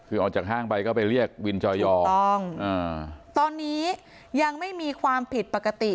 คือออกจากห้างไปก็ไปเรียกวินจอยอถูกต้องตอนนี้ยังไม่มีความผิดปกติ